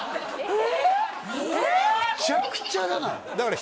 え！